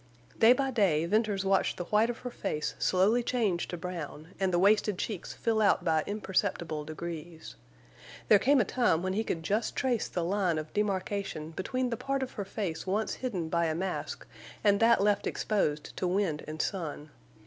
Day by day Venters watched the white of her face slowly change to brown, and the wasted cheeks fill out by imperceptible degrees. There came a time when he could just trace the line of demarcation between the part of her face once hidden by a mask and that left exposed to wind and sun.